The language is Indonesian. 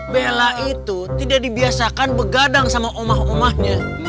bella itu tidak dibiasakan begadang sama omah omahnya